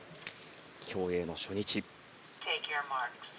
競泳の初日。